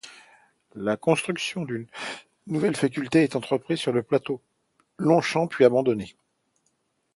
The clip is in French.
La construction d'une nouvelle faculté est entreprise sur le plateau Longchamp, puis abandonnée.